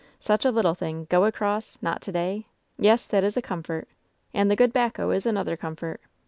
Such a little thing! *Go across!' ^Nat to day.' Yes, that is a comfort. And the good 'bacco is another comfort.